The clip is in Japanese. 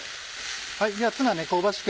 ツナね香ばしく